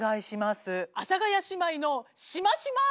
「阿佐ヶ谷姉妹のしましま」。